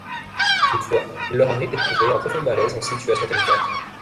Toutefois, il leur arrive d'éprouver un profond malaise en situation terrifiante.